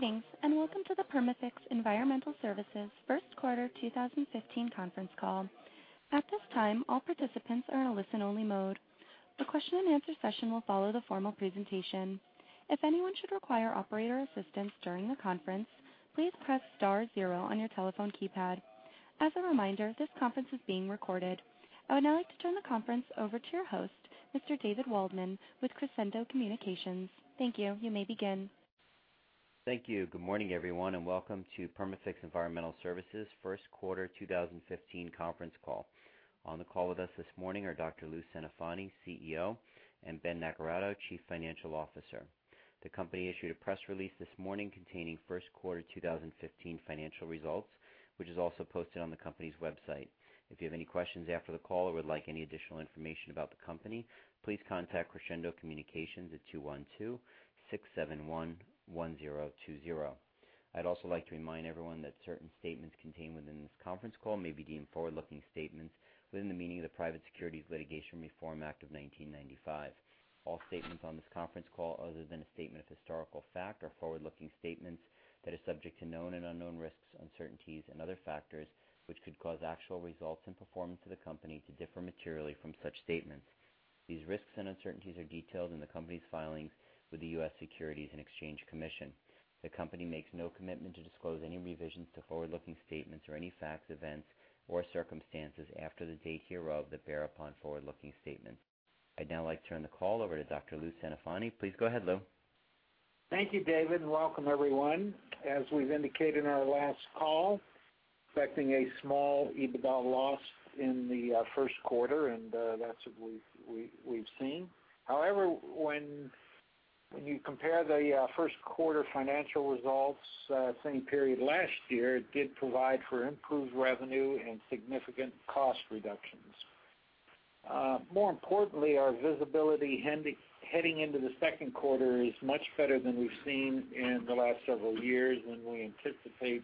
Greetings, and welcome to the Perma-Fix Environmental Services first quarter 2015 conference call. At this time, all participants are in a listen-only mode. The question and answer session will follow the formal presentation. If anyone should require operator assistance during the conference, please press star zero on your telephone keypad. As a reminder, this conference is being recorded. I would now like to turn the conference over to your host, Mr. David Waldman with Crescendo Communications. Thank you. You may begin. Thank you. Good morning, everyone, and welcome to Perma-Fix Environmental Services' first quarter 2015 conference call. On the call with us this morning are Dr. Lou Centofanti, CEO, and Ben Naccarato, Chief Financial Officer. The company issued a press release this morning containing first quarter 2015 financial results, which is also posted on the company's website. If you have any questions after the call or would like any additional information about the company, please contact Crescendo Communications at 212-671-1020. I'd also like to remind everyone that certain statements contained within this conference call may be deemed forward-looking statements within the meaning of the Private Securities Litigation Reform Act of 1995. All statements on this conference call, other than a statement of historical fact, are forward-looking statements that are subject to known and unknown risks, uncertainties and other factors which could cause actual results and performance of the company to differ materially from such statements. These risks and uncertainties are detailed in the company's filings with the U.S. Securities and Exchange Commission. The company makes no commitment to disclose any revisions to forward-looking statements or any facts, events, or circumstances after the date hereof that bear upon forward-looking statements. I'd now like to turn the call over to Dr. Lou Centofanti. Please go ahead, Lou. Thank you, David, and welcome everyone. As we've indicated in our last call, expecting a small EBITDA loss in the first quarter, and that's what we've seen. However, when you compare the first quarter financial results, same period last year, it did provide for improved revenue and significant cost reductions. More importantly, our visibility heading into the second quarter is much better than we've seen in the last several years, and we anticipate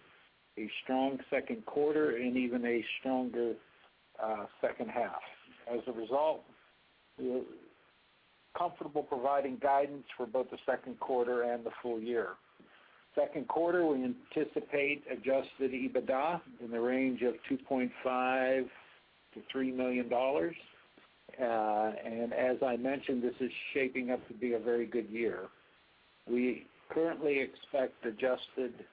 a strong second quarter and even a stronger second half. As a result, we're comfortable providing guidance for both the second quarter and the full year. Second quarter, we anticipate adjusted EBITDA in the range of $2.5 million-$3 million. As I mentioned, this is shaping up to be a very good year. We currently expect adjusted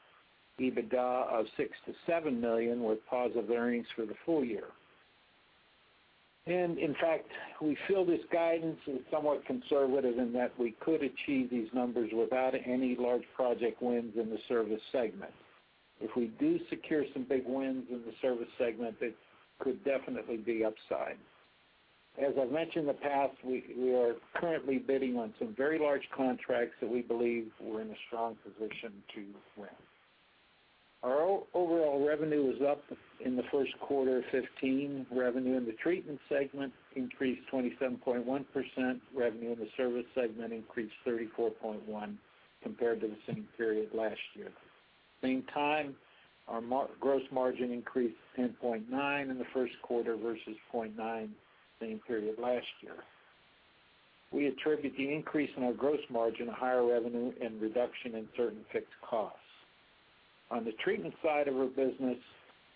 EBITDA of $6 million-$7 million with positive earnings for the full year. In fact, we feel this guidance is somewhat conservative in that we could achieve these numbers without any large project wins in the service segment. If we do secure some big wins in the service segment, it could definitely be upside. As I've mentioned in the past, we are currently bidding on some very large contracts that we believe we're in a strong position to win. Our overall revenue was up in the first quarter of 2015. Revenue in the treatment segment increased 27.1%. Revenue in the service segment increased 34.1% compared to the same period last year. Same time, our gross margin increased 10.9% in the first quarter versus 0.9% same period last year. We attribute the increase in our gross margin to higher revenue and reduction in certain fixed costs. On the treatment side of our business,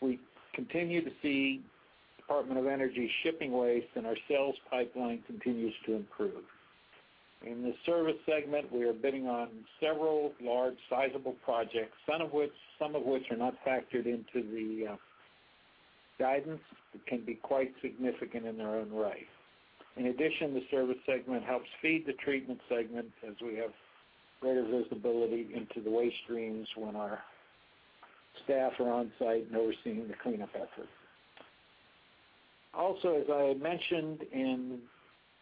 we continue to see Department of Energy shipping waste, our sales pipeline continues to improve. In the service segment, we are bidding on several large sizable projects, some of which are not factored into the guidance, but can be quite significant in their own right. In addition, the service segment helps feed the treatment segment as we have greater visibility into the waste streams when our staff are on-site and overseeing the cleanup effort. Also, as I had mentioned in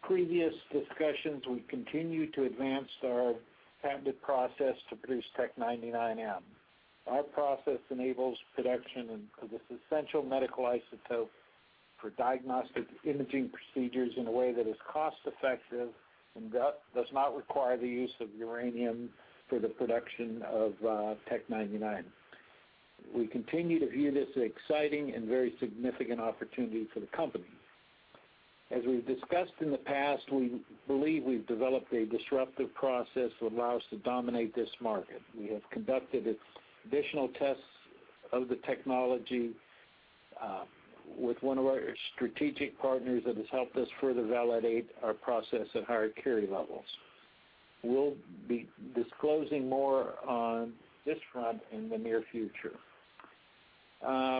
previous discussions, we continue to advance our patented process to produce Tech 99m. Our process enables production of this essential medical isotope for diagnostic imaging procedures in a way that is cost effective and does not require the use of uranium for the production of Tech 99. We continue to view this as an exciting and very significant opportunity for the company. As we've discussed in the past, we believe we've developed a disruptive process that will allow us to dominate this market. We have conducted additional tests of the technology, with one of our strategic partners that has helped us further validate our process at higher curie levels. We'll be disclosing more on this front in the near future.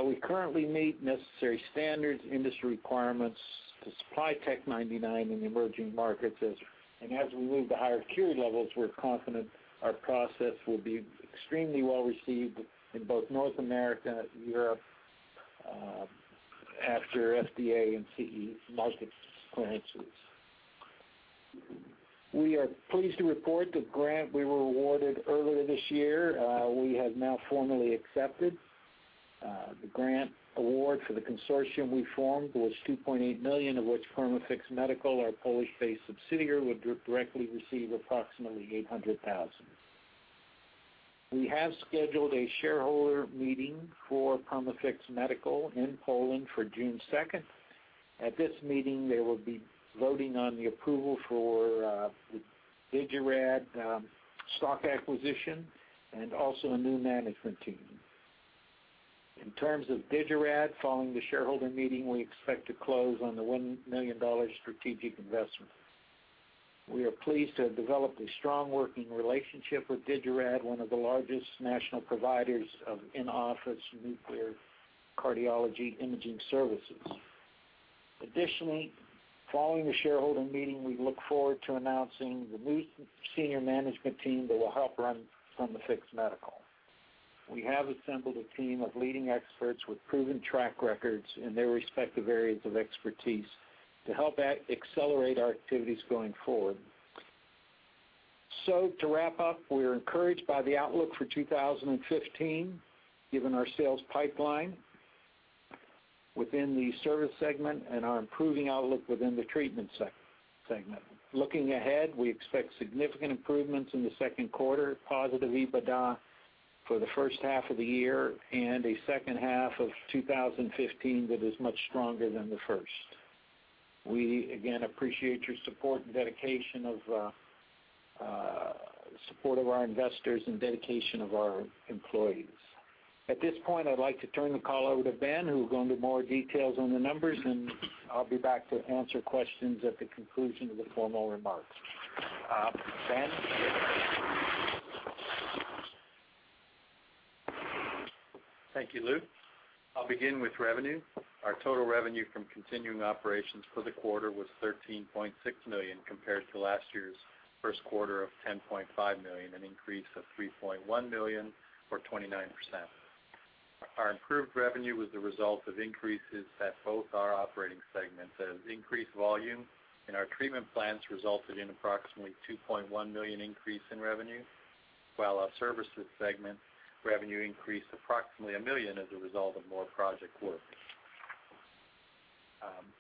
We currently meet necessary standards, industry requirements to supply Tech 99 in emerging markets. As we move to higher curie levels, we're confident our process will be extremely well received in both North America and Europe after FDA and CE market clearances. We are pleased to report the grant we were awarded earlier this year, we have now formally accepted. The grant award for the consortium we formed was $2.8 million, of which Perma-Fix Medical, our Polish-based subsidiary, would directly receive approximately $800,000. We have scheduled a shareholder meeting for Perma-Fix Medical in Poland for June 2nd. At this meeting, they will be voting on the approval for the Digirad stock acquisition and also a new management team. In terms of Digirad, following the shareholder meeting, we expect to close on the $1 million strategic investment. We are pleased to have developed a strong working relationship with Digirad, one of the largest national providers of in-office nuclear cardiology imaging services. Additionally, following the shareholder meeting, we look forward to announcing the new senior management team that will help run Perma-Fix Medical. We have assembled a team of leading experts with proven track records in their respective areas of expertise to help accelerate our activities going forward. To wrap up, we are encouraged by the outlook for 2015, given our sales pipeline within the service segment and our improving outlook within the treatment segment. Looking ahead, we expect significant improvements in the second quarter, positive EBITDA for the first half of the year, and a second half of 2015 that is much stronger than the first. We, again, appreciate your support and dedication of support of our investors and dedication of our employees. At this point, I'd like to turn the call over to Ben, who will go into more details on the numbers, and I'll be back to answer questions at the conclusion of the formal remarks. Ben? Thank you, Lou. I'll begin with revenue. Our total revenue from continuing operations for the quarter was $13.6 million compared to last year's first quarter of $10.5 million, an increase of $3.1 million or 29%. Our improved revenue was the result of increases at both our operating segments, as increased volume in our treatment plants resulted in approximately $2.1 million increase in revenue, while our services segment revenue increased approximately $1 million as a result of more project work.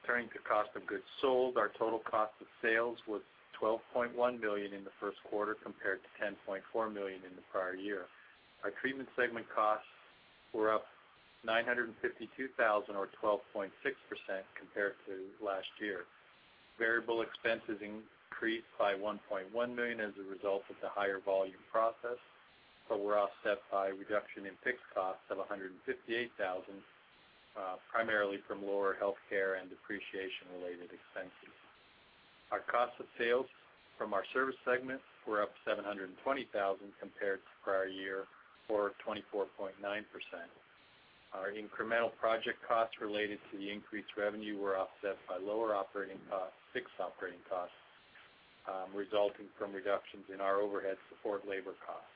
Turning to cost of goods sold, our total cost of sales was $12.1 million in the first quarter, compared to $10.4 million in the prior year. Our treatment segment costs were up $952,000 or 12.6% compared to last year. Variable expenses increased by $1.1 million as a result of the higher volume processed, but were offset by a reduction in fixed costs of $158,000, primarily from lower healthcare and depreciation-related expenses. Our cost of sales from our service segment were up $720,000 compared to prior year or 24.9%. Our incremental project costs related to the increased revenue were offset by lower operating costs, fixed operating costs, resulting from reductions in our overhead support labor costs.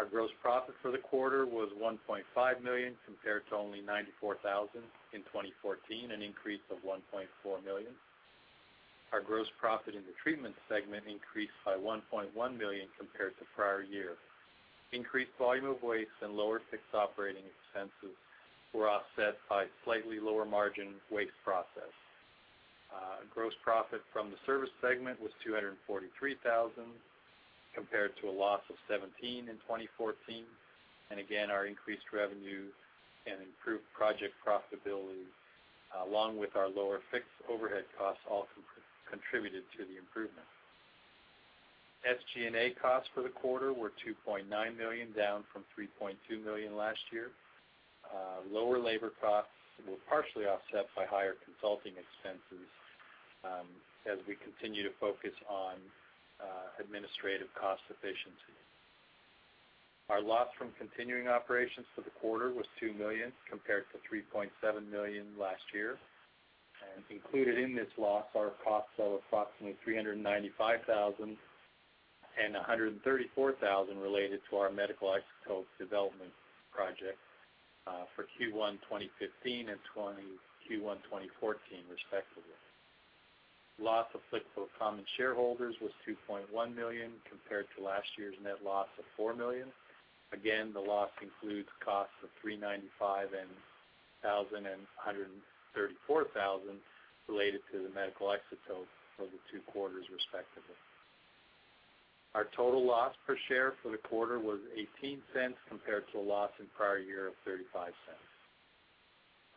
Our gross profit for the quarter was $1.5 million compared to only $94,000 in 2014, an increase of $1.4 million. Our gross profit in the treatment segment increased by $1.1 million compared to prior year. Increased volume of waste and lower fixed operating expenses were offset by slightly lower margin waste processed. Gross profit from the service segment was $243,000 compared to a loss of $17,000 in 2014. Again, our increased revenue and improved project profitability, along with our lower fixed overhead costs, all contributed to the improvement. SG&A costs for the quarter were $2.9 million, down from $3.2 million last year. Lower labor costs were partially offset by higher consulting expenses as we continue to focus on administrative cost efficiency. Our loss from continuing operations for the quarter was $2 million compared to $3.7 million last year. Included in this loss are costs of approximately $395,000 and $134,000 related to our medical isotope development project for Q1 2015 and Q1 2014, respectively. Loss applicable to common shareholders was $2.1 million, compared to last year's net loss of $4 million. Again, the loss includes costs of $395,000 and $134,000 related to the medical isotope for the two quarters, respectively. Our total loss per share for the quarter was $0.18 compared to a loss in prior year of $0.35.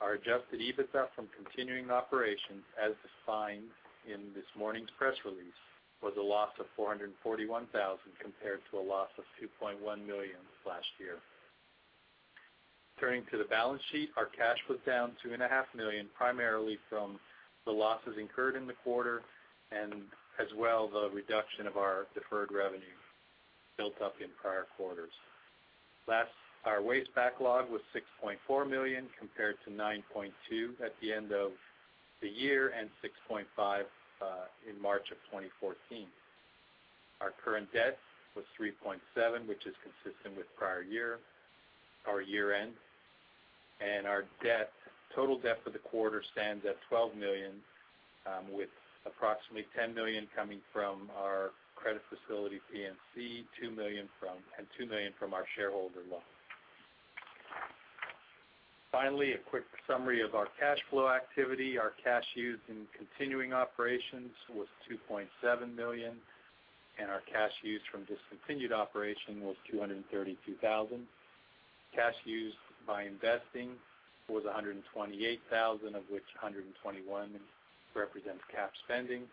Our adjusted EBITDA from continuing operations, as defined in this morning's press release, was a loss of $441,000 compared to a loss of $2.1 million last year. Turning to the balance sheet, our cash was down $two and a half million, primarily from the losses incurred in the quarter and as well the reduction of our deferred revenue built up in prior quarters. Last, our waste backlog was $6.4 million compared to $9.2 million at the end of the year and $6.5 million in March of 2014. Our current debt was $3.7 million, which is consistent with prior year, our year end. Our total debt for the quarter stands at $12 million, with approximately $10 million coming from our credit facility, PNC, and $2 million from our shareholder loan. Finally, a quick summary of our cash flow activity. Our cash used in continuing operations was $2.7 million, and our cash used from discontinued operation was $232,000. Cash used by investing was $128,000, of which $121,000 represents cash spending,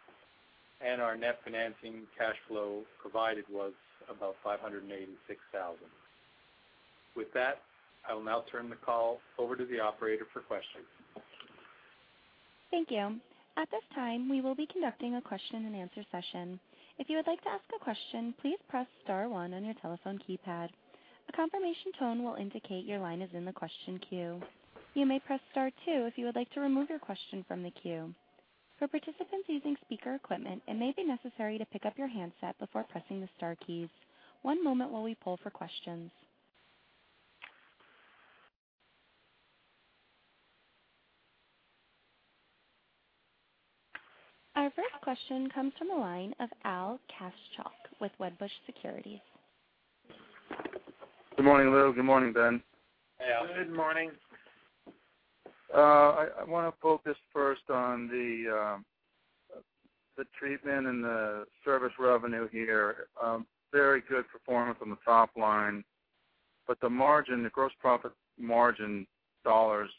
and our net financing cash flow provided was about $586,000. With that, I will now turn the call over to the operator for questions. Thank you. At this time, we will be conducting a question and answer session. If you would like to ask a question, please press star one on your telephone keypad. A confirmation tone will indicate your line is in the question queue. You may press star two if you would like to remove your question from the queue. For participants using speaker equipment, it may be necessary to pick up your handset before pressing the star keys. One moment while we poll for questions. Our first question comes from the line of Al Kaschock with Wedbush Securities. Good morning, Lou. Good morning, Ben. Hey, Al. Good morning. I want to focus first on the treatment and the service revenue here. Very good performance on the top line, the margin, the gross profit margin dollars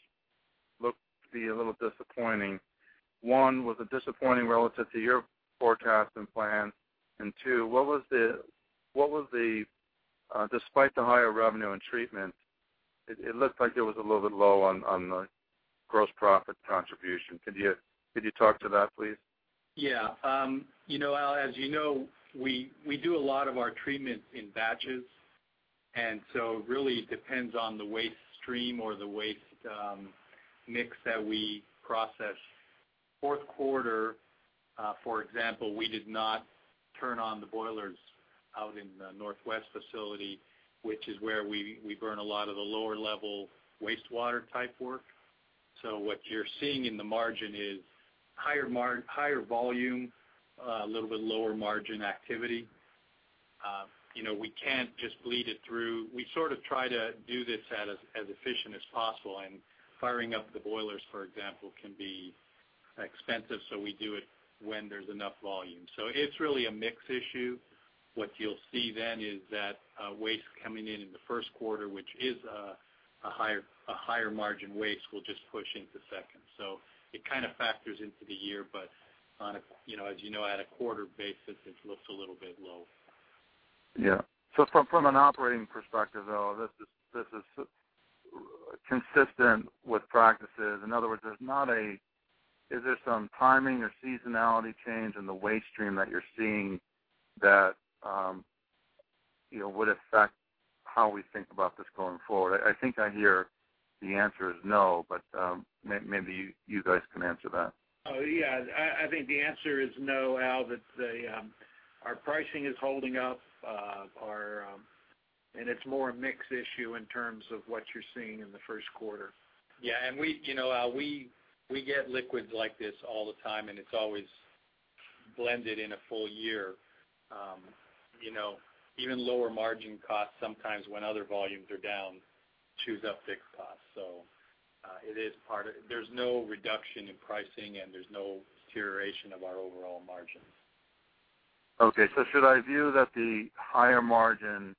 look to be a little disappointing. One, was it disappointing relative to your forecast and plan? Two, despite the higher revenue and treatment, it looked like it was a little bit low on the gross profit contribution. Could you talk to that, please? Yeah. Al, as you know, we do a lot of our treatments in batches, it really depends on the waste stream or the waste mix that we process. Fourth quarter, for example, we did not turn on the boilers out in the Northwest facility, which is where we burn a lot of the lower level wastewater type work. What you're seeing in the margin is higher volume, a little bit lower margin activity. We can't just bleed it through. We try to do this as efficient as possible, firing up the boilers, for example, can be expensive, we do it when there's enough volume. It's really a mix issue. What you'll see is that waste coming in in the first quarter, which is a higher margin waste, will just push into second. It kind of factors into the year, but as you know, at a quarter basis, it looks a little bit low. From an operating perspective, though, this is consistent with practices. In other words, is there some timing or seasonality change in the waste stream that you're seeing that would affect how we think about this going forward? I think I hear the answer is no, but maybe you guys can answer that. Yeah. I think the answer is no, Al, that our pricing is holding up, and it's more a mix issue in terms of what you're seeing in the first quarter. Yeah, Al, we get liquids like this all the time, and it's always blended in a full year. Even lower margin costs sometimes when other volumes are down chews up fixed costs. There's no reduction in pricing, and there's no deterioration of our overall margins. Okay, should I view that the higher margin,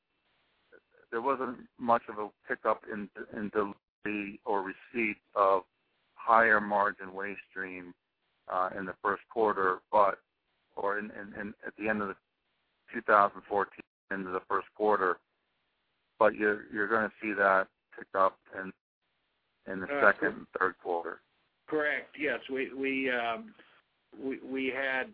there wasn't much of a pickup in delivery or receipt of higher margin waste stream in the first quarter, or at the end of 2014 into the first quarter, but you're going to see that pick up in the second and third quarter? Correct. Yes. We had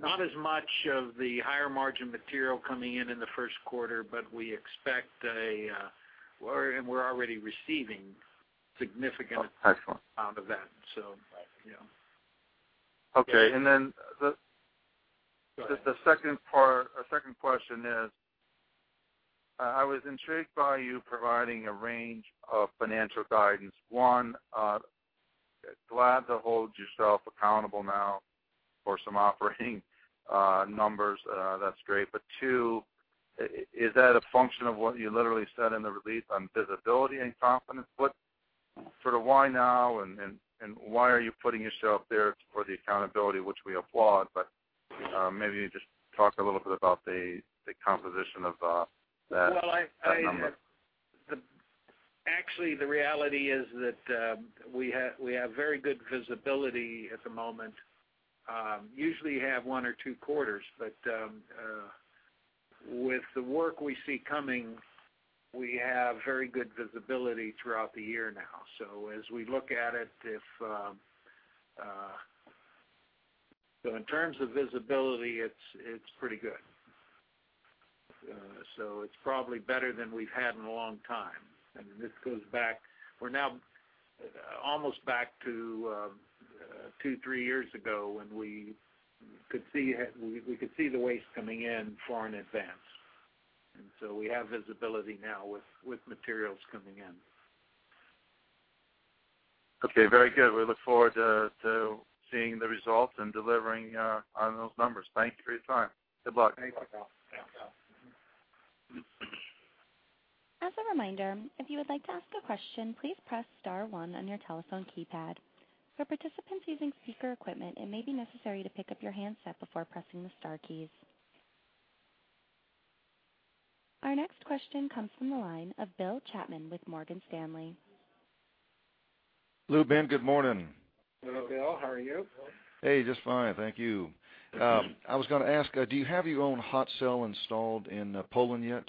not as much of the higher margin material coming in in the first quarter, but we expect, and we're already receiving significant- Excellent amount of that. Yeah. Okay. Go ahead. The second question is, I was intrigued by you providing a range of financial guidance. One, glad to hold yourself accountable now for some operating numbers. That's great. Two, is that a function of what you literally said in the release on visibility and confidence? For the why now, and why are you putting yourself there for the accountability, which we applaud, but maybe just talk a little bit about the composition of that number. Actually, the reality is that we have very good visibility at the moment. Usually have one or two quarters, but with the work we see coming, we have very good visibility throughout the year now. As we look at it, in terms of visibility, it's pretty good. It's probably better than we've had in a long time. We're now almost back to two, three years ago when we could see the waste coming in far in advance. We have visibility now with materials coming in. Okay. Very good. We look forward to seeing the results and delivering on those numbers. Thank you for your time. Good luck. Thanks, Al. Yeah, Al. Mm-hmm. As a reminder, if you would like to ask a question, please press star one on your telephone keypad. For participants using speaker equipment, it may be necessary to pick up your handset before pressing the star keys. Our next question comes from the line of Bill Chapman with Morgan Stanley. Lou, Bill, good morning. Hello, Bill. How are you? Hey, just fine. Thank you. I was going to ask, do you have your own hot cell installed in Poland yet?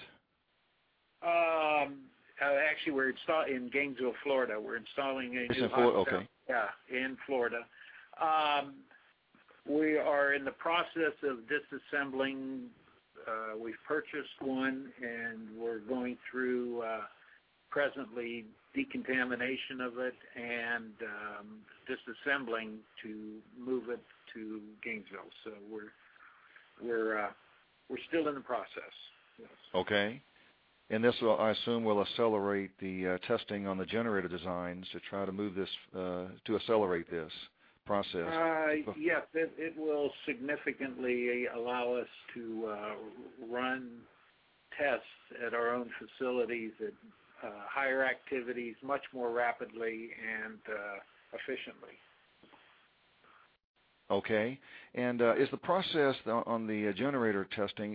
Actually, we're installed in Gainesville, Florida. We're installing a new hot cell. This is in Florida? Okay. Yeah, in Florida. We are in the process of disassembling. We've purchased one, we're going through, presently, decontamination of it and disassembling to move it to Gainesville. We're still in the process. Yes. Okay. This, I assume, will accelerate the testing on the generator designs to try to accelerate this process. Yes. It will significantly allow us to run tests at our own facilities at higher activities much more rapidly and efficiently. Okay. Is the process on the generator testing,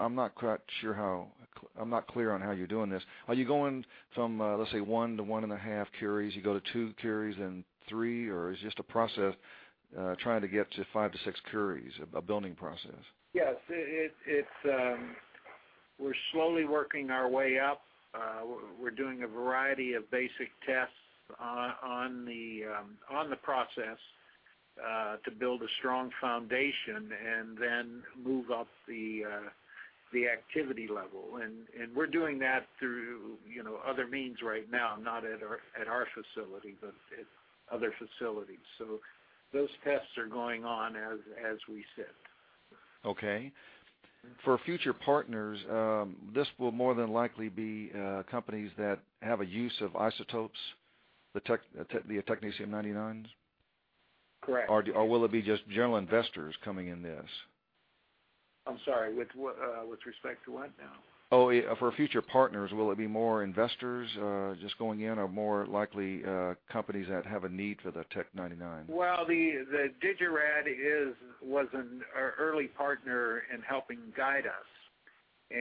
I'm not clear on how you're doing this. Are you going from, let's say, one to one and a half curies, you go to two curies, then three, or is just a process trying to get to five to six curies, a building process? Yes. We're slowly working our way up. We're doing a variety of basic tests on the process to build a strong foundation and then move up the activity level. We're doing that through other means right now, not at our facility, but at other facilities. Those tests are going on as we sit. Okay. For future partners, this will more than likely be companies that have a use of isotopes, the technetium-99? Correct. Will it be just general investors coming in this? I'm sorry, with respect to what now? For future partners, will it be more investors just going in, or more likely companies that have a need for the Tech-99? Well, the Digirad was an early partner in helping guide us.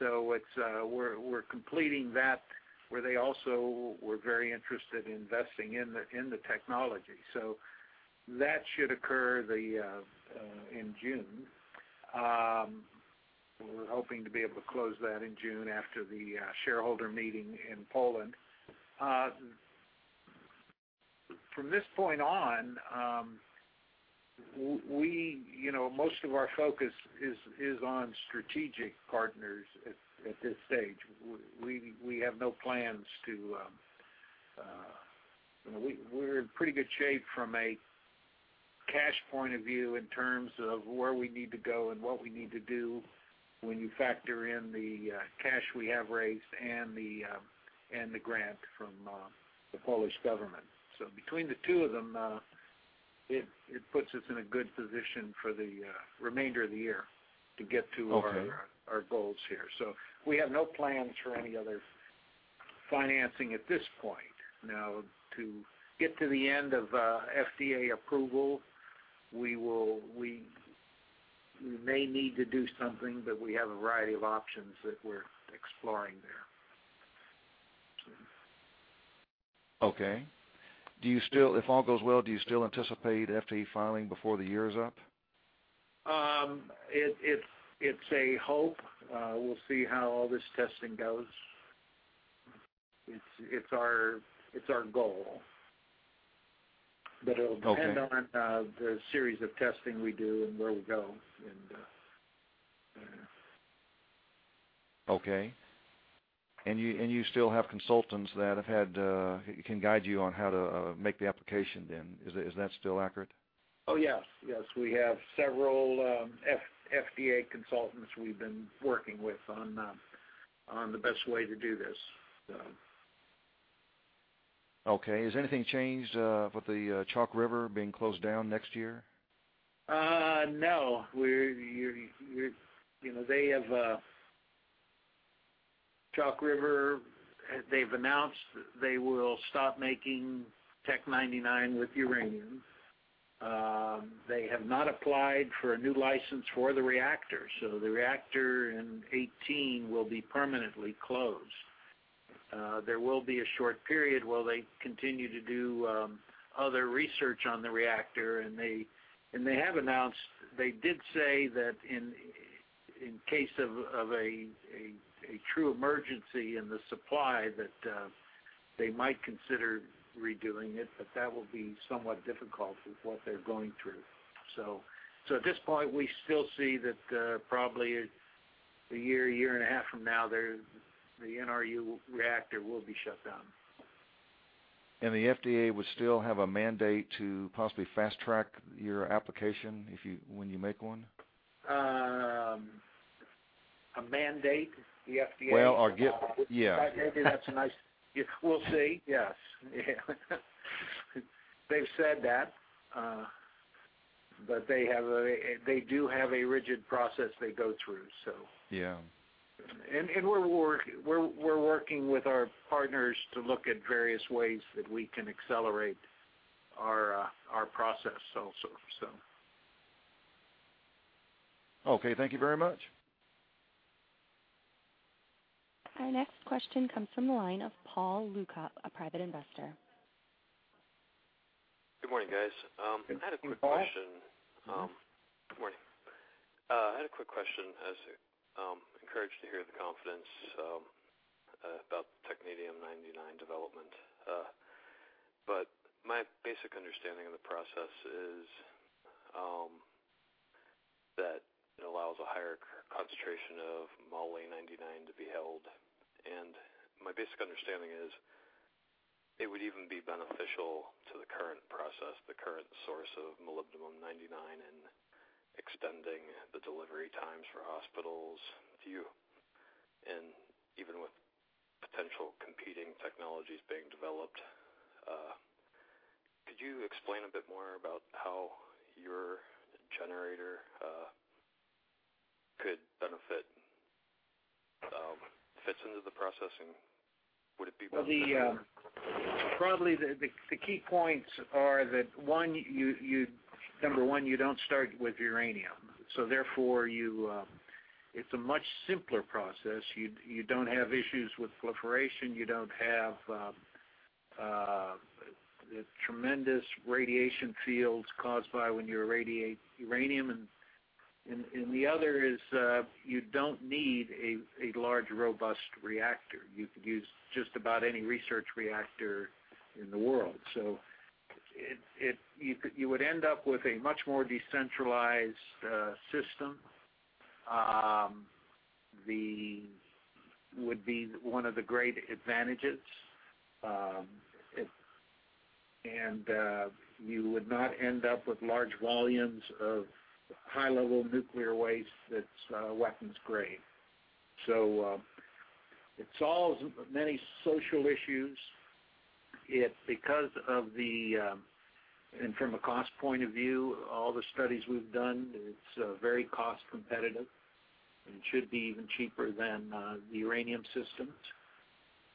We're completing that, where they also were very interested in investing in the technology. That should occur in June. We're hoping to be able to close that in June after the shareholder meeting in Poland. From this point on, most of our focus is on strategic partners at this stage. We're in pretty good shape from a cash point of view in terms of where we need to go and what we need to do when you factor in the cash we have raised and the grant from the Polish government. Between the two of them, it puts us in a good position for the remainder of the year to get to our goals here. Okay. We have no plans for any other financing at this point. Now, to get to the end of FDA approval, we may need to do something, but we have a variety of options that we're exploring there. Okay. If all goes well, do you still anticipate FDA filing before the year is up? It's a hope. We'll see how all this testing goes. It's our goal. Okay. It'll depend on the series of testing we do and where we go. Okay. You still have consultants that can guide you on how to make the application, then. Is that still accurate? Oh, yes. We have several FDA consultants we've been working with on the best way to do this. Okay. Has anything changed with the Chalk River being closed down next year? No. Chalk River, they've announced they will stop making Tech-99 with uranium. They have not applied for a new license for the reactor. The reactor in 2018 will be permanently closed. There will be a short period while they continue to do other research on the reactor, and they have announced, they did say that in case of a true emergency in the supply, that they might consider redoing it, but that will be somewhat difficult with what they're going through. At this point, we still see that probably a year and a half from now, the NRU reactor will be shut down. The FDA would still have a mandate to possibly fast track your application when you make one? A mandate? The FDA? Well, Yeah. We'll see. Yes. They've said that. They do have a rigid process they go through, so. Yeah. We're working with our partners to look at various ways that we can accelerate our process also. Okay, thank you very much. Our next question comes from the line of Paul Lucah, a private investor. Good morning, guys. Good morning, Paul. Good morning. I had a quick question, as encouraged to hear the confidence about the technetium-99 development. My basic understanding of the process is that it allows a higher concentration of moly-99 to be held, and my basic understanding is it would even be beneficial to the current process, the current source of molybdenum-99 in extending the delivery times for hospitals to you, and even with potential competing technologies being developed. Could you explain a bit more about how your generator could benefit, fits into the processing? Would it be more- Well, probably the key points are that, number one, you don't start with uranium, therefore, it's a much simpler process. You don't have issues with proliferation. You don't have tremendous radiation fields caused by when you irradiate uranium, the other is you don't need a large, robust reactor. You could use just about any research reactor in the world. You would end up with a much more decentralized system. Would be one of the great advantages, you would not end up with large volumes of high-level nuclear waste that's weapons grade. It solves many social issues. From a cost point of view, all the studies we've done, it's very cost competitive, and it should be even cheaper than the uranium systems.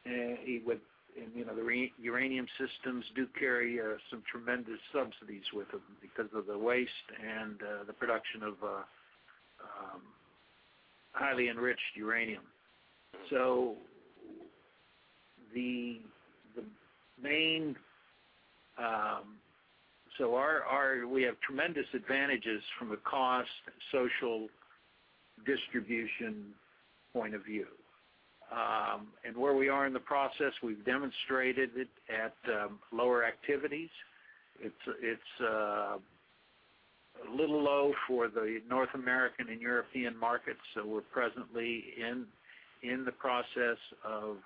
The uranium systems do carry some tremendous subsidies with them because of the waste and the production of highly enriched uranium. We have tremendous advantages from a cost, social distribution point of view. Where we are in the process, we've demonstrated it at lower activities. It's a little low for the North American and European markets, we're presently in the process of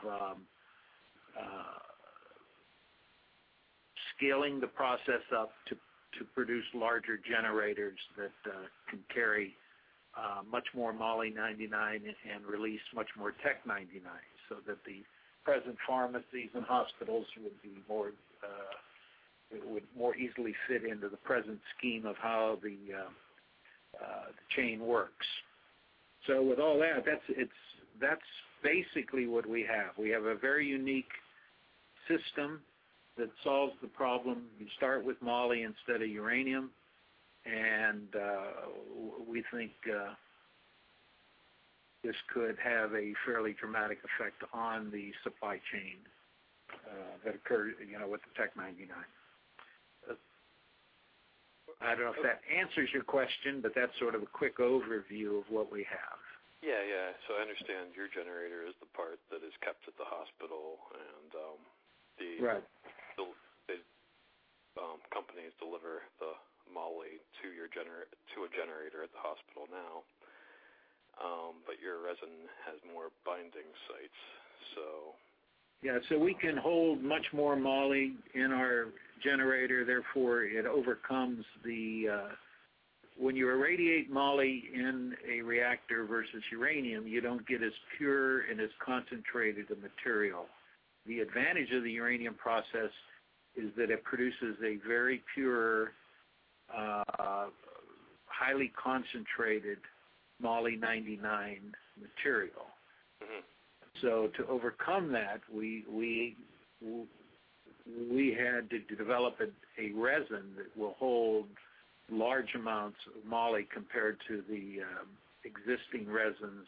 scaling the process up to produce larger generators that can carry much more Moly-99 and release much more tech-99, so that the present pharmacies and hospitals would more easily fit into the present scheme of how the chain works. With all that's basically what we have. We have a very unique system that solves the problem. You start with moly instead of uranium, we think this could have a fairly dramatic effect on the supply chain that occurred with the tech-99. I don't know if that answers your question, that's sort of a quick overview of what we have. Yeah. I understand your generator is the part that is kept at the hospital. Right The companies deliver the moly to a generator at the hospital now. Your resin has more binding sites. Yeah. We can hold much more moly in our generator, therefore it overcomes. When you irradiate moly in a reactor versus uranium, you don't get as pure and as concentrated the material. The advantage of the uranium process is that it produces a very pure, highly concentrated moly-99 material. To overcome that, we had to develop a resin that will hold large amounts of moly compared to the existing resins.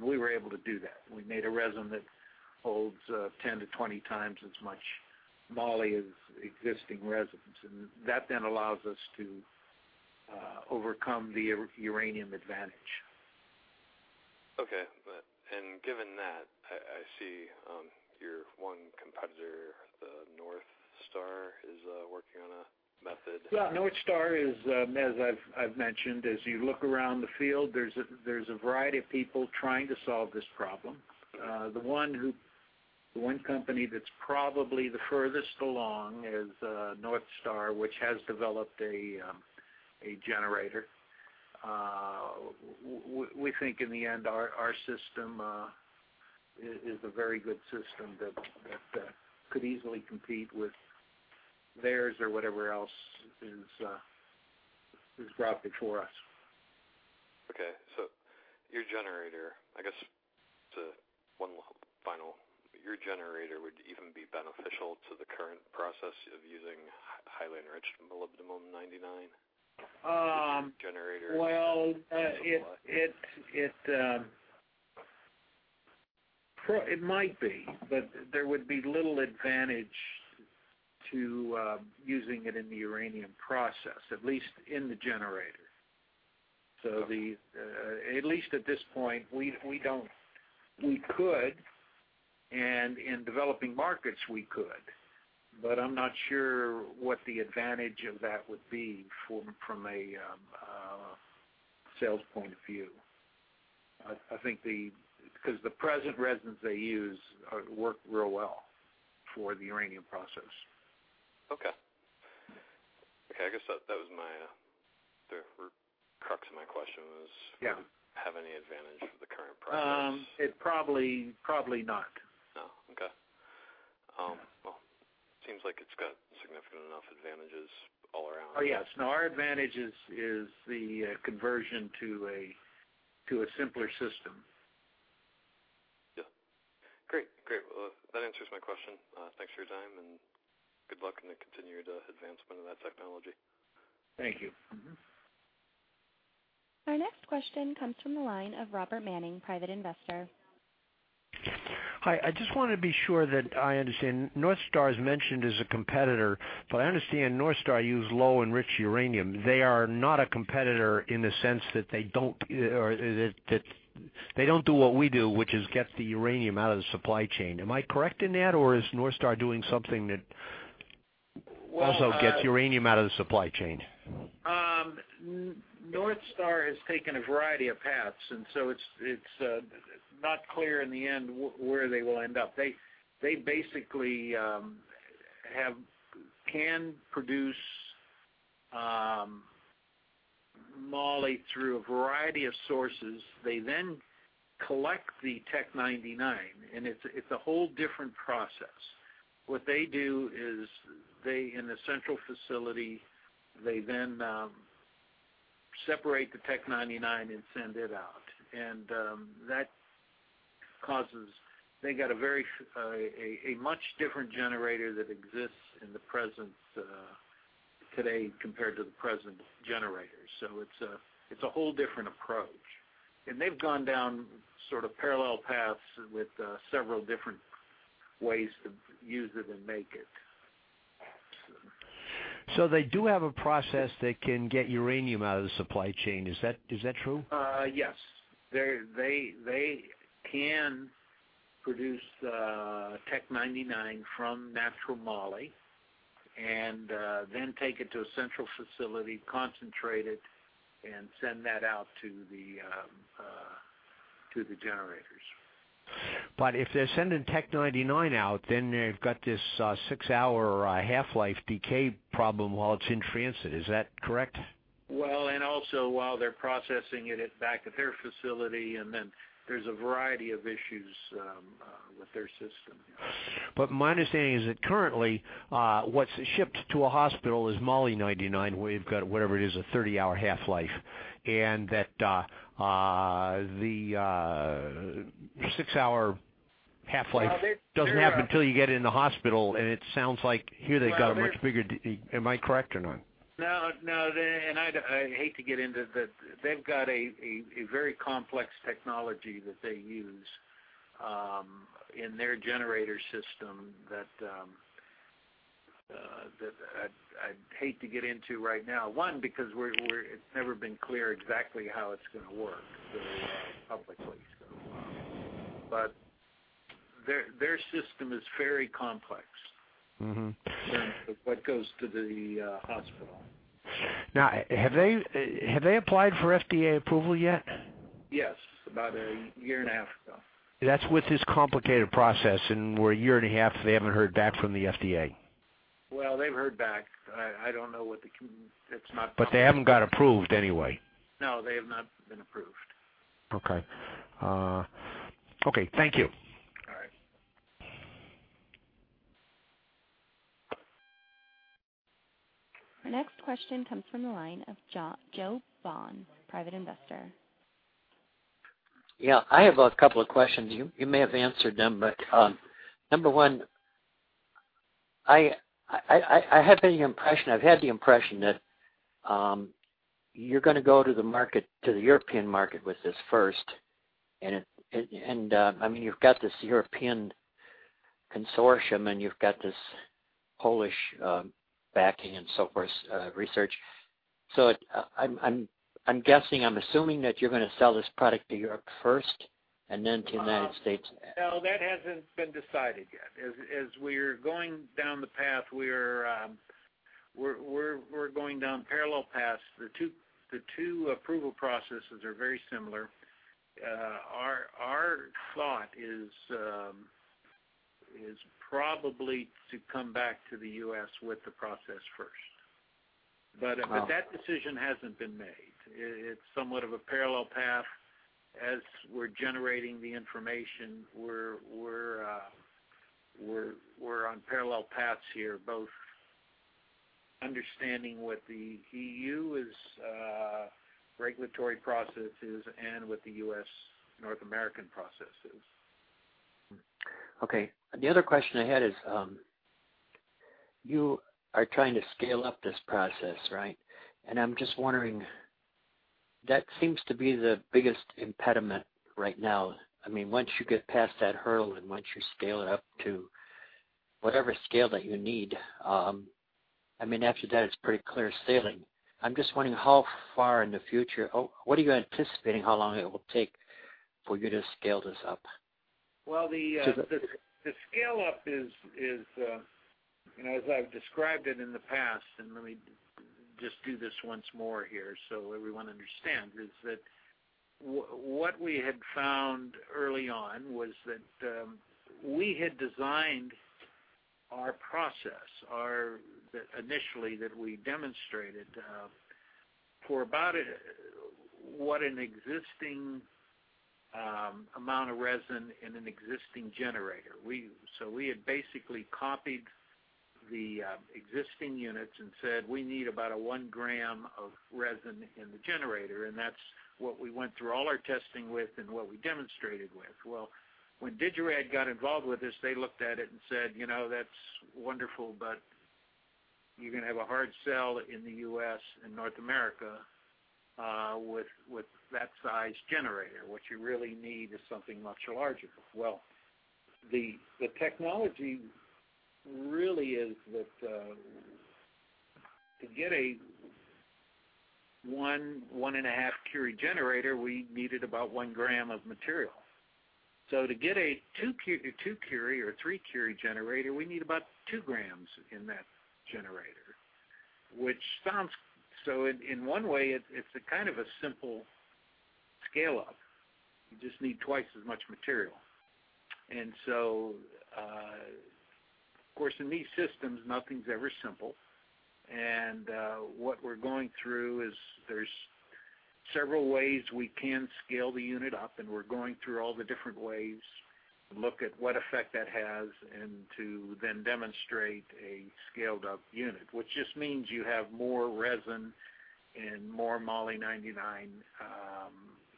We were able to do that. We made a resin that holds 10 to 20 times as much moly as existing resins, and that then allows us to overcome the uranium advantage. Okay. Given that, I see your one competitor, NorthStar, is working on a method. Yeah. NorthStar is, as I've mentioned, as you look around the field, there's a variety of people trying to solve this problem. The one company that's probably the furthest along is NorthStar, which has developed a generator. We think in the end, our system is a very good system that could easily compete with theirs or whatever else is brought before us. Okay, your generator would even be beneficial to the current process of using highly enriched molybdenum-99? Well, it might be, there would be little advantage to using it in the uranium process, at least in the generator. Okay. At least at this point, and in developing markets, we could, I'm not sure what the advantage of that would be from a sales point of view. The present resins they use work real well for the uranium process. Okay. I guess that was the crux of my question. Yeah Does it have any advantage over the current process? Probably not. Oh, okay. Well, seems like it's got significant enough advantages all around. Oh, yes. No, our advantage is the conversion to a simpler system. Yeah. Great. Well, that answers my question. Thanks for your time, and good luck in the continued advancement of that technology. Thank you. Mm-hmm. Our next question comes from the line of Robert Manning, private investor. Hi, I just want to be sure that I understand. NorthStar's mentioned as a competitor, I understand NorthStar use low enriched uranium. They are not a competitor in the sense that they don't do what we do, which is get the uranium out of the supply chain. Am I correct in that, is NorthStar doing something that also gets uranium out of the supply chain? NorthStar has taken a variety of paths, it's not clear in the end where they will end up. They basically can produce moly through a variety of sources. They collect the Tech-99, it's a whole different process. What they do is, in the central facility, they then separate the Tech-99 and send it out. They got a much different generator that exists in the present today compared to the present generator. It's a whole different approach. They've gone down sort of parallel paths with several different ways to use it and make it. They do have a process that can get uranium out of the supply chain. Is that true? Yes. They can produce Tech-99 from natural moly, then take it to a central facility, concentrate it, send that out to the generators. If they're sending Tech-99 out, they've got this six-hour half-life decay problem while it's in transit. Is that correct? Well, also while they're processing it back at their facility, then there's a variety of issues with their system. My understanding is that currently, what's shipped to a hospital is Moly-99, where you've got, whatever it is, a 30-hour half-life. That the six-hour half-life- Well, they're- doesn't happen till you get in the hospital, it sounds like here they've got a much bigger Am I correct or not? No, I hate to get into They've got a very complex technology that they use in their generator system that I'd hate to get into right now. One, because it's never been clear exactly how it's going to work, really, publicly. Their system is very complex. in what goes to the hospital. Now, have they applied for FDA approval yet? Yes, about a year and a half ago. That's with this complicated process, and we're a year and a half, they haven't heard back from the FDA? Well, they've heard back. It's not public. They haven't got approved anyway. No, they have not been approved. Okay. Thank you. All right. Our next question comes from the line of Joe Bond, private investor. Yeah, I have a couple of questions. You may have answered them, but Number one, I've had the impression that you're going to go to the European market with this first. You've got this European consortium, and you've got this Polish backing and so forth, research. I'm guessing, I'm assuming that you're going to sell this product to Europe first and then to United States. No, that hasn't been decided yet. As we're going down the path, we're going down parallel paths. The two approval processes are very similar. Our thought is probably to come back to the U.S. with the process first. Oh. That decision hasn't been made. It's somewhat of a parallel path. We're generating the information. We're on parallel paths here, both understanding what the EU's regulatory process is and what the U.S., North American process is. Okay. The other question I had is, you are trying to scale up this process, right? I'm just wondering, that seems to be the biggest impediment right now. Once you get past that hurdle and once you scale it up to whatever scale that you need, after that it's pretty clear sailing. I'm just wondering how far in the future, what are you anticipating how long it will take for you to scale this up? Well, the scale up is, as I've described it in the past, and let me just do this once more here so everyone understands, is that what we had found early on was that we had designed our process, initially that we demonstrated, for about what an existing amount of resin in an existing generator. We had basically copied the existing units and said, "We need about a one gram of resin in the generator," and that's what we went through all our testing with and what we demonstrated with. Well, when Digirad got involved with this, they looked at it and said, "That's wonderful, but you're going to have a hard sell in the U.S. and North America with that size generator. What you really need is something much larger." The technology really is that to get a one and a half curie generator, we needed about one gram of material. To get a two curie or three curie generator, we need about two grams in that generator. In one way it's a kind of a simple scale-up. You just need twice as much material. Of course, in these systems nothing's ever simple. What we're going through is there's several ways we can scale the unit up, and we're going through all the different ways to look at what effect that has and to then demonstrate a scaled-up unit, which just means you have more resin and more Moly-99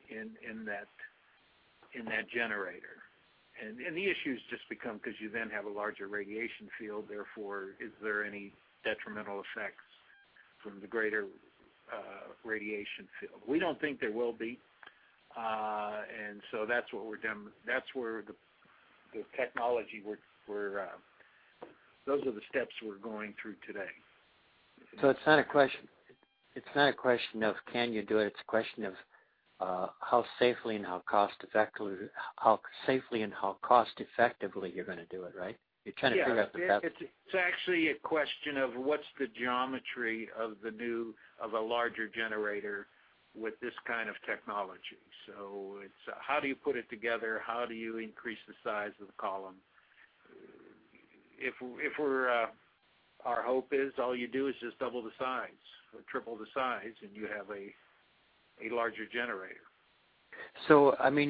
in that generator. The issues just become because you then have a larger radiation field, therefore, is there any detrimental effects from the greater radiation field? We don't think there will be, that's where the technology-- those are the steps we're going through today. It's not a question of can you do it's a question of how safely and how cost effectively you're going to do it, right? You're trying to figure out the best. Yeah. It's actually a question of what's the geometry of a larger generator with this kind of technology. It's how do you put it together, how do you increase the size of the column? Our hope is all you do is just double the size or triple the size, and you have a larger generator.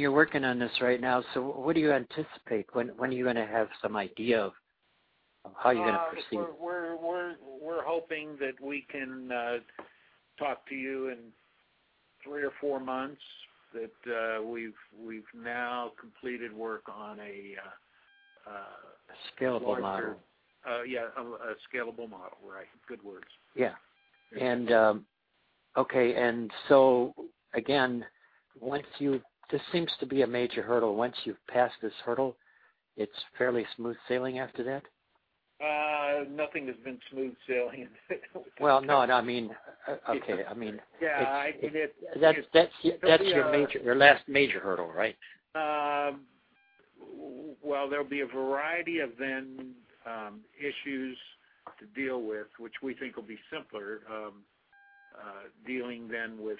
You're working on this right now, so what do you anticipate? When are you going to have some idea of how you're going to proceed? We're hoping that we can talk to you in three or four months, that we've now completed work on. Scalable model Yeah, a scalable model. Right. Good words. Yeah. Okay. Again, this seems to be a major hurdle. Once you've passed this hurdle, it's fairly smooth sailing after that? Nothing has been smooth sailing. Well, no. Okay. Yeah. That's your last major hurdle, right? Well, there'll be a variety of then issues to deal with, which we think will be simpler, dealing then with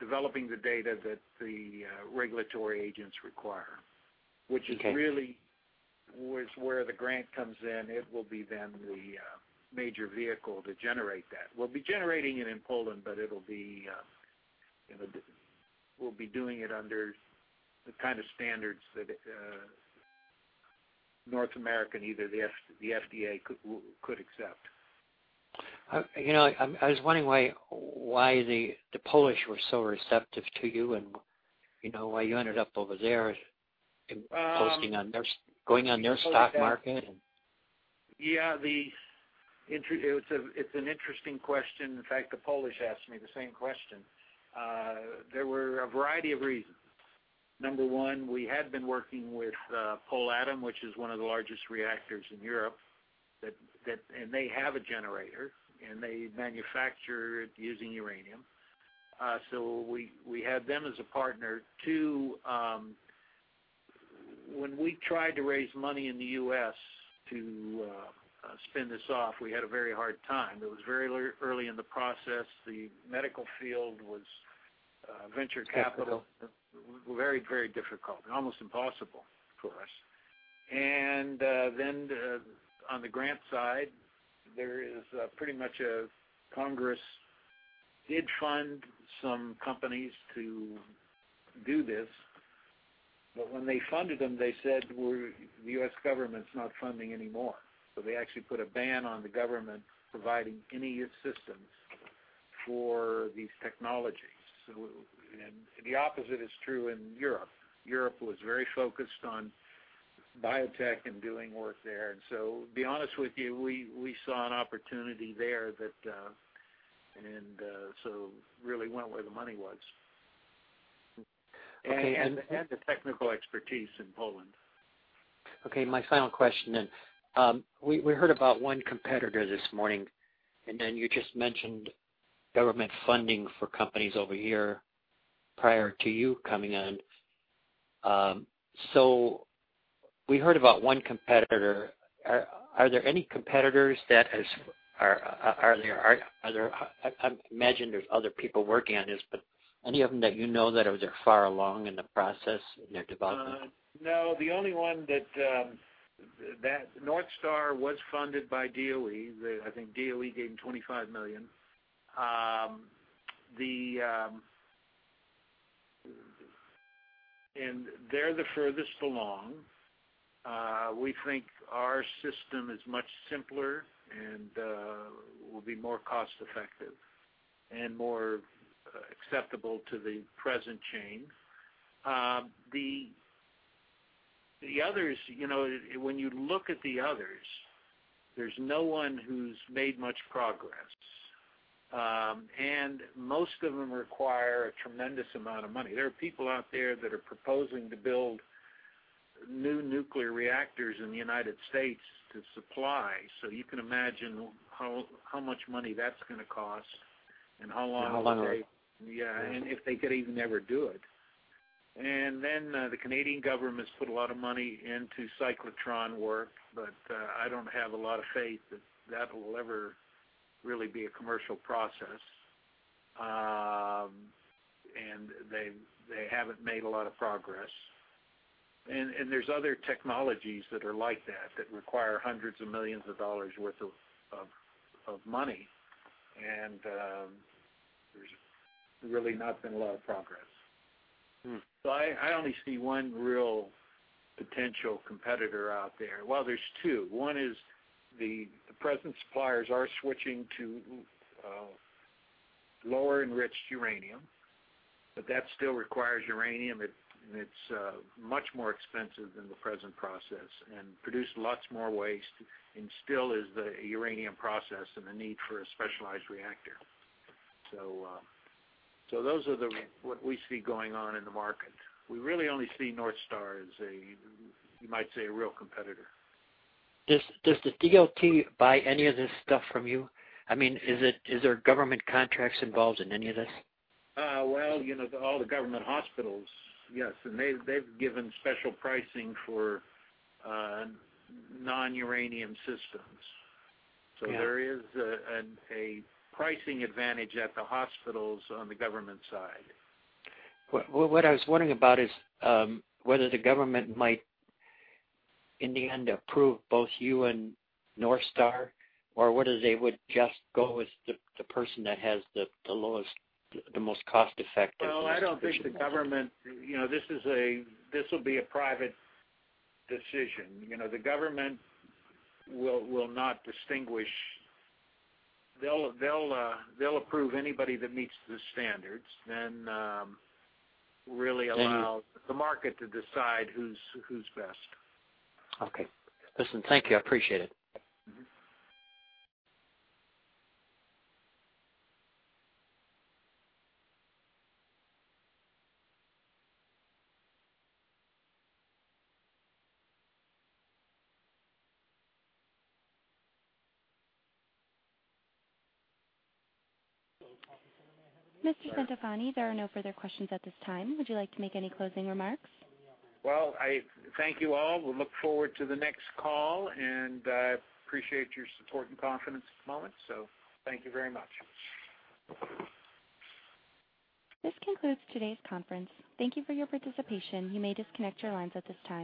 developing the data that the regulatory agents require. Okay. Which is really where the grant comes in. It will be then the major vehicle to generate that. We'll be generating it in Poland, but we'll be doing it under the kind of standards that North America, neither the FDA could accept. I was wondering why the Polish were so receptive to you, and why you ended up over there posting on their, going on their stock market. Yeah. It's an interesting question. In fact, the Polish asked me the same question. There were a variety of reasons. Number one, we had been working with Polatom, which is one of the largest reactors in Europe, and they have a generator, and they manufacture it using uranium. We had them as a partner. Two, when we tried to raise money in the U.S. to spin this off, we had a very hard time. It was very early in the process. The medical field was venture capital. Capital. Very difficult and almost impossible for us. On the grant side, there is pretty much Congress did fund some companies to do this, but when they funded them, they said, "Well, the U.S. government's not funding anymore." They actually put a ban on the government providing any assistance for these technologies. The opposite is true in Europe. Europe was very focused on biotech and doing work there. To be honest with you, we saw an opportunity there, really went where the money was. Okay. The technical expertise in Poland. Okay, my final question. We heard about one competitor this morning, you just mentioned government funding for companies over here prior to you coming on. We heard about one competitor. Are there any competitors that has-- I imagine there's other people working on this, but any of them that you know that are far along in the process, in their development? No. NorthStar was funded by DOE. I think DOE gave them $25 million. They're the furthest along. We think our system is much simpler and will be more cost-effective and more acceptable to the present chain. The others, when you look at the others, there's no one who's made much progress. Most of them require a tremendous amount of money. There are people out there that are proposing to build new nuclear reactors in the United States to supply. You can imagine how much money that's going to cost and how long- How long? Yeah. If they could even ever do it. Then, the Canadian government's put a lot of money into cyclotron work, but I don't have a lot of faith that that will ever really be a commercial process. They haven't made a lot of progress. There's other technologies that are like that require hundreds of millions of dollars worth of money, and there's really not been a lot of progress. I only see one real potential competitor out there. Well, there's two. One is the present suppliers are switching to lower enriched uranium, but that still requires uranium. It's much more expensive than the present process and produce lots more waste and still is the uranium process and the need for a specialized reactor. Those are what we see going on in the market. We really only see NorthStar as, you might say, a real competitor. Does the DOD buy any of this stuff from you? Is there government contracts involved in any of this? Well, all the government hospitals, yes. They've given special pricing for non-uranium systems. Yeah. There is a pricing advantage at the hospitals on the government side. What I was wondering about is whether the government might, in the end, approve both you and NorthStar, or whether they would just go with the person that has the most cost-effective solution. Well, I don't think the government. This will be a private decision. The government will not distinguish. They'll approve anybody that meets the standards, then really allow the market to decide who's best. Okay. Listen, thank you. I appreciate it. Mr. Centofanti, there are no further questions at this time. Would you like to make any closing remarks? Well, I thank you all. We'll look forward to the next call, and I appreciate your support and confidence at the moment. Thank you very much. This concludes today's conference. Thank you for your participation. You may disconnect your lines at this time.